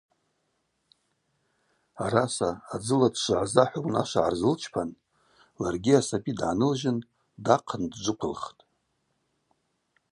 Араса адзыла дшвыгӏза-хӏва унашва гӏарзлычпан ларгьи асаби дгӏанылжьын, дахъын дджвыквылхтӏ.